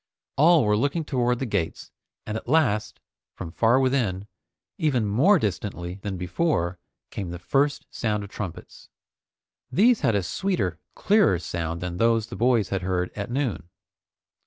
All were looking toward the gates, and at last, from far within, even more distantly than before, came the first sound of trumpets. These had a sweeter, clearer sound than those the boys had heard at noon.